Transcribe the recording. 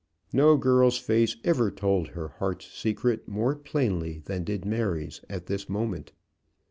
No girl's face ever told her heart's secret more plainly than did Mary's at this moment.